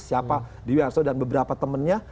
siapa di wiharso dan beberapa temannya